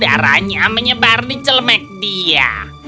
darahnya menyebar di celemek dia